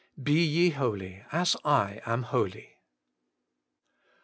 BE YE HOLY, AS I AM HOLY.